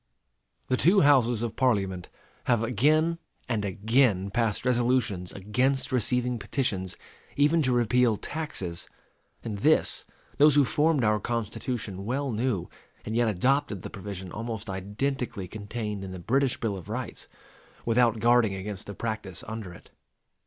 The two Houses of Parliament have again and again passed resolutions against receiving petitions even to repeal taxes; and this, those who formed our Constitution well knew, and yet adopted the provision almost identically contained in the British Bill of Rights, without guarding against the practice under it.